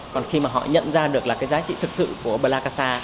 còn khi mà họ nhận ra được là cái giá trị thực sự của blakasa